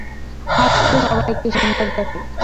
হাসলে সবাইকে সুন্দর দেখায়।